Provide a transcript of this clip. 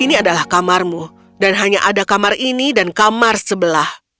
ini adalah kamarmu dan hanya ada kamar ini dan kamar sebelah